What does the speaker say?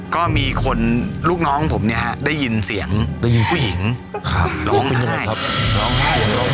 ก็มีคนลูกน้องผมเนี่ยได้ยินเสียงผู้หญิงร้องไห้